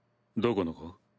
どこの子？